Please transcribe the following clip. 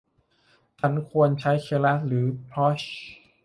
ฉันควรใช้ เคราส หรือ พอทร์ช